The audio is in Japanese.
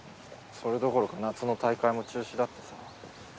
それどころか夏の大会も中止だってさ。